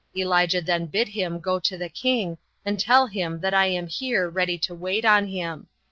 Elijah then bid him go to the king, and tell him that I am here ready to wait on him.